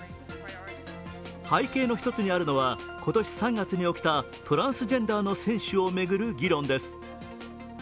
背景の一つにあるのは今年３月に起きたトランスジェンダーの選手を巡る議論です。